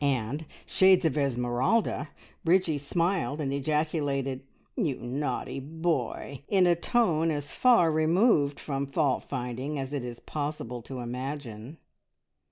and shades of Esmeralda! Bridgie smiled, and ejaculated, "You naughty boy!" in a tone as far removed from fault finding as it is possible to imagine.